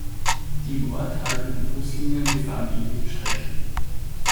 Die im Ort haltenden Buslinien befahren ähnliche Strecken.